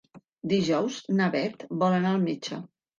Dijous na Bet vol anar al metge.